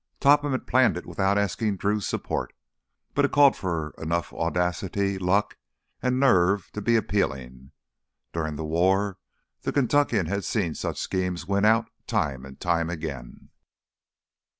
Topham had planned it without asking Drew's support. But it called for enough audacity, luck, and nerve to be appealing. During the war the Kentuckian had seen such schemes win out time and time again.